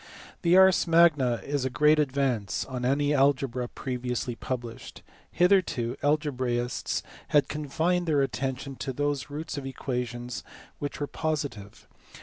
The Ars Magna is a great advance on any algebra pre viously published. Hitherto algebraists had confined their attention to those roots of equations which were positive.